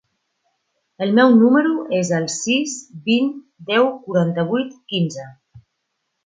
El meu número es el sis, vint, deu, quaranta-vuit, quinze.